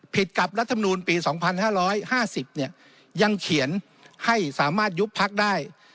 กับรัฐมนูลปี๒๕๕๐ยังเขียนให้สามารถยุบพักได้